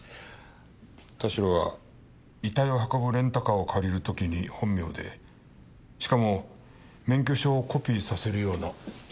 田代は遺体を運ぶレンタカーを借りる時に本名でしかも免許証をコピーさせるような正直者だった。